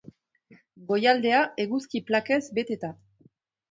Goialdea, eguzki plakez beteta.